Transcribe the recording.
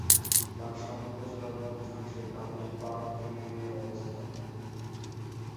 লাকসাম উপজেলার মধ্যাংশে কান্দিরপাড় ইউনিয়নের অবস্থান।